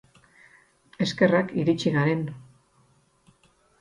Eskerrak iritsi garen.